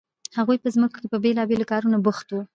هغوی په ځمکو کې په بیلابیلو کارونو بوخت وو.